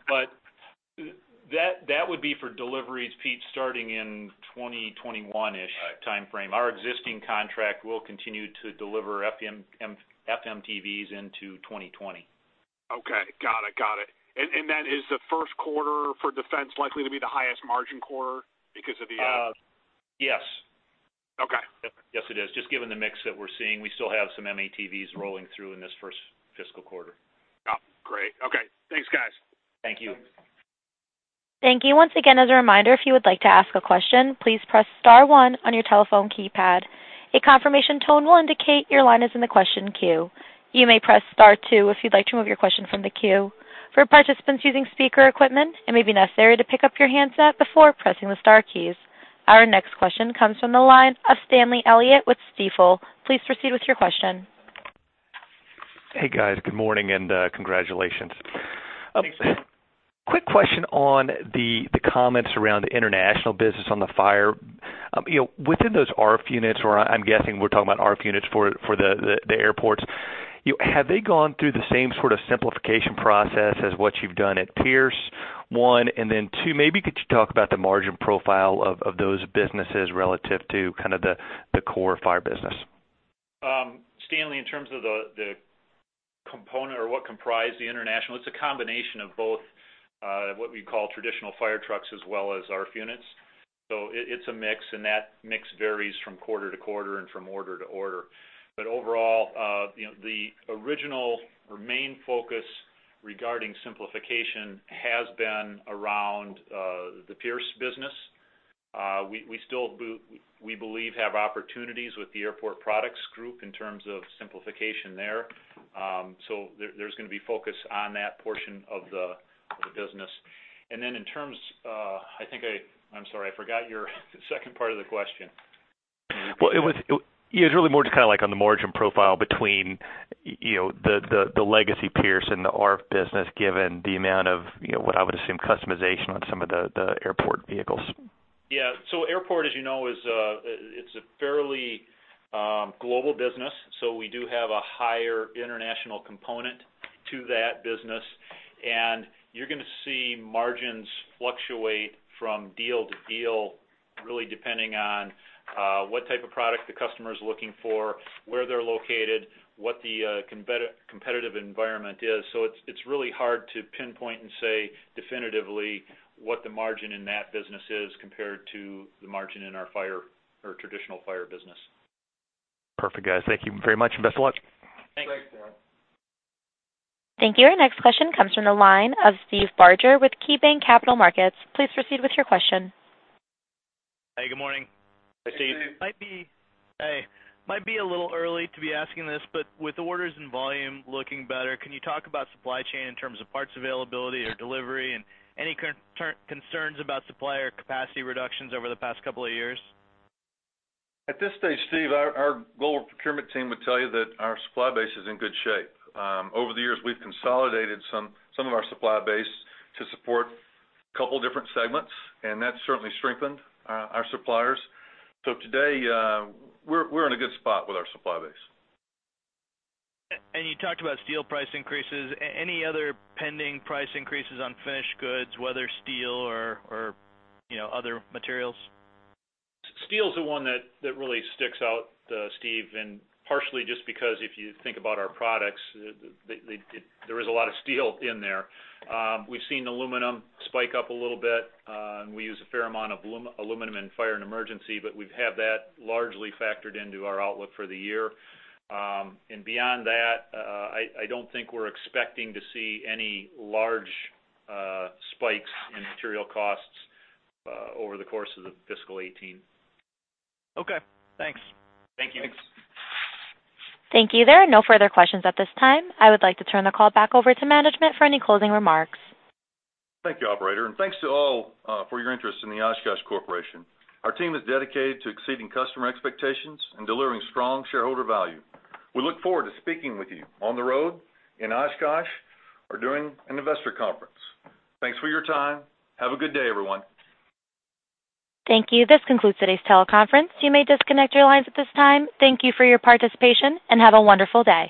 But that, that would be for deliveries, Pete, starting in 2021-ish- Right timeframe. Our existing contract will continue to deliver FMTVs into 2020. Okay, got it. Got it. And then, is the first quarter for Defense likely to be the highest margin quarter because of the? Uh, yes. Okay. Yep, yes, it is. Just given the mix that we're seeing, we still have some M-ATVs rolling through in this first fiscal quarter. Oh, great. Okay. Thanks, guys. Thank you. Thank you. Once again, as a reminder, if you would like to ask a question, please press star one on your telephone keypad. A confirmation tone will indicate your line is in the question queue. You may press star two if you'd like to remove your question from the queue. For participants using speaker equipment, it may be necessary to pick up your handset before pressing the star keys. Our next question comes from the line of Stanley Elliott with Stifel. Please proceed with your question. Hey, guys, good morning and, congratulations. Thanks. Quick question on the comments around the international business on the fire. You know, within those ARFF units, or I'm guessing we're talking about ARFF units for the airports, you know, have they gone through the same sort of simplification process as what you've done at Pierce, one? And then, two, maybe could you talk about the margin profile of those businesses relative to kind of the core fire business? Stanley, in terms of the component or what comprise the international, it's a combination of both what we call traditional fire trucks as well as ARFF units. So it's a mix, and that mix varies from quarter to quarter and from order to order. But overall, you know, the original or main focus regarding simplification has been around the Pierce business. We still believe we have opportunities with the Airport Products group in terms of simplification there. So there's going to be focus on that portion of the business. And then in terms, I'm sorry, I forgot your second part of the question. Well, it was really more just kind of like on the margin profile between, you know, the legacy Pierce and the ARFF business, given the amount of, you know, what I would assume customization on some of the airport vehicles. Yeah. So airport, as you know, is, it's a fairly, global business, so we do have a higher international component to that business. And you're going to see margins fluctuate from deal to deal, really depending on, what type of product the customer is looking for, where they're located, what the, competitive environment is. So it's, it's really hard to pinpoint and say definitively what the margin in that business is compared to the margin in our fire or traditional fire business. Perfect, guys. Thank you very much, and best of luck. Thanks. Thank you. Our next question comes from the line of Steve Barger with KeyBanc Capital Markets. Please proceed with your question. Hey, good morning. Hey, Steve. Hey, might be a little early to be asking this, but with orders and volume looking better, can you talk about supply chain in terms of parts availability or delivery, and any concerns about supplier capacity reductions over the past couple of years? At this stage, Steve, our global procurement team would tell you that our supply base is in good shape. Over the years, we've consolidated some of our supply base to support a couple different segments, and that's certainly strengthened our suppliers. So today, we're in a good spot with our supply base. You talked about steel price increases. Any other pending price increases on finished goods, whether steel or, or, you know, other materials? Steel is the one that really sticks out, Steve, and partially just because if you think about our products, there is a lot of steel in there. We've seen aluminum spike up a little bit, and we use a fair amount of aluminum in Fire & Emergency, but we've had that largely factored into our outlook for the year. And beyond that, I don't think we're expecting to see any large spikes in material costs over the course of the fiscal 2018. Okay, thanks. Thank you. Thanks. Thank you. There are no further questions at this time. I would like to turn the call back over to management for any closing remarks. Thank you, operator, and thanks to all for your interest in the Oshkosh Corporation. Our team is dedicated to exceeding customer expectations and delivering strong shareholder value. We look forward to speaking with you on the road, in Oshkosh, or during an investor conference. Thanks for your time. Have a good day, everyone. Thank you. This concludes today's teleconference. You may disconnect your lines at this time. Thank you for your participation, and have a wonderful day.